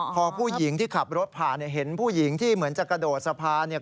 พอผู้หญิงที่ขับรถผ่านเนี่ยเห็นผู้หญิงที่เหมือนจะกระโดดสะพานเนี่ย